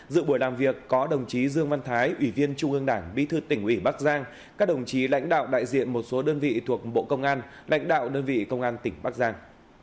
dự buổi làm việc có đồng chí dương văn thái ủy viên trung ương đảng bí thư tỉnh ủy bắc giang các đồng chí lãnh đạo đại diện một số đơn vị thuộc bộ công an lãnh đạo đơn vị công an tỉnh bắc giang